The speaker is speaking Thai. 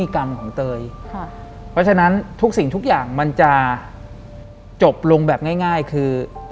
หลังจากนั้นเราไม่ได้คุยกันนะคะเดินเข้าบ้านอืม